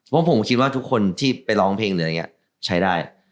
เพราะผมคิดว่าทุกคนที่ไปร้องเพลงหรืออะไรอย่างนี้ใช้ได้